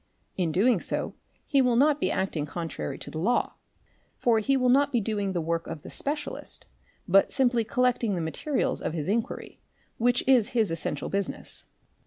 In doing so, he will not be acting contrary to the law, for he will not be doing the work of the specialist, but simply collecting the materials of his inquiry, which is his essential business.